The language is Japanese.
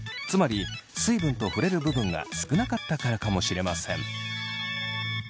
つまり水分と触れる部分が少なかったからかもしれません。